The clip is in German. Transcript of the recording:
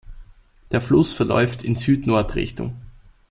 Der Fluss verläuft in Süd-Nord Richtung.